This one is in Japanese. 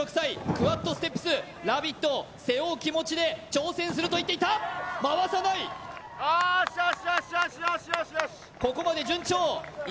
クワッドステップス「ラヴィット！」を背負う気持ちで挑戦すると言っていたおーしおしおしおしおし！